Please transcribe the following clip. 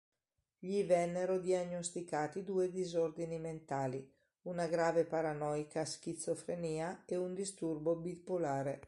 Gli vennero diagnosticati due disordini mentali: una grave paranoica schizofrenia e un disturbo bipolare.